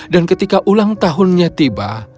dan ketika ulang tahunnya tiba